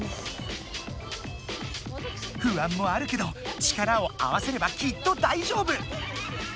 ふあんもあるけど力を合わせればきっと大丈夫！